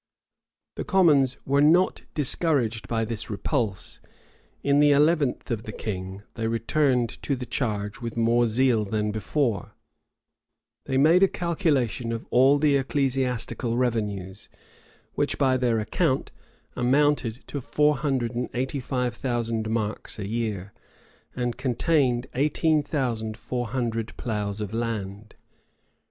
The commons were not discouraged by this repulse: in the eleventh of the king, they returned to the charge with more zeal than before: they made a calculation of all the ecclesiastical revenues, which, by their account, amounted to four hundred and eighty five thousand marks a year, and contained eighteen thousand four hundred ploughs of land.